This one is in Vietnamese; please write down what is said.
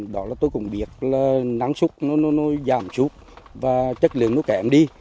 đó là tôi cũng biết là năng súc nó giảm súc và chất lượng nó kém đi